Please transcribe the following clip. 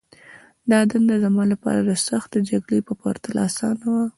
دا دنده زما لپاره د سختې جګړې په پرتله آسانه وه